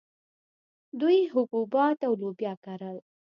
دوی حبوبات او لوبیا کرل